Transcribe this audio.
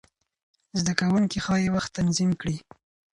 زده کوونکي ښايي وخت تنظیم کړي.